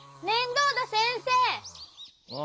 面倒田先生！